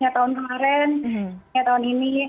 tahun kemarin tahun ini